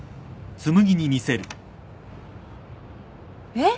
えっ！？